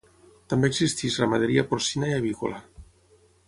També existeix ramaderia porcina i avícola.